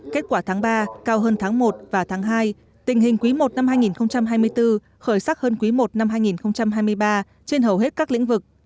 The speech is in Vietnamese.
kết quả tháng ba cao hơn tháng một và tháng hai tình hình quý i năm hai nghìn hai mươi bốn khởi sắc hơn quý i năm hai nghìn hai mươi ba trên hầu hết các lĩnh vực